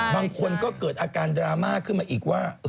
บางคนก็เกิดอาการดราม่าอีกว่า